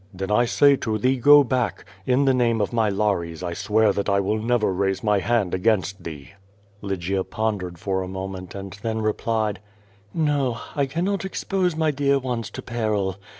"Then I say to thee, go hack. In the name of my lares I swear that I will never raise my hand against thee.*' Lygia pondered for a moment and then replied: "No, I cannot expose my dear ones to peril.